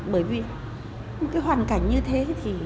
bởi vì một cái hoàn cảnh như thế